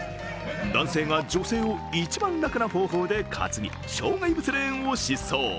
男性が女性を１番楽な方法で担ぎ、障害物レーンを疾走。